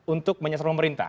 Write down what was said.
untuk menyesuaikan pemerintah